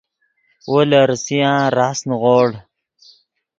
وو لے ریسیان راست نیغوڑ